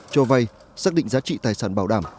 cho vay xác định giá trị tài sản bảo đảm